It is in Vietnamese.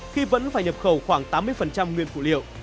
khi vẫn phải nhập khẩu khoảng tám mươi nguyên phụ liệu